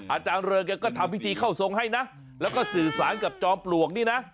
อาจารย์เริงแกก็ทำพิธีเข้าทรงให้นะแล้วก็สื่อสารกับจอมปลวกนี่นะ